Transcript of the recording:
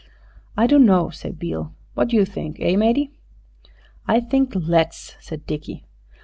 "I dunno," said Beale. "What you think? Eh, matey?" "I think let's," said Dickie.